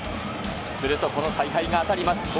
するとこの采配が当たります。